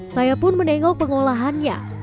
saya pun menengok pengolahannya